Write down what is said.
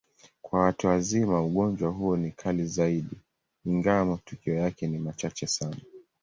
Kwa watu wazima, ugonjwa huo ni kali zaidi, ingawa matukio yake ni machache sana.